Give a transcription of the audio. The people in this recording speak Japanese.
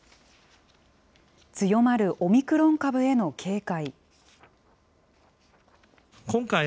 強まるオミクロン株への警戒。